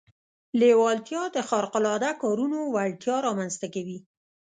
لېوالتیا د خارق العاده کارونو وړتيا رامنځته کوي.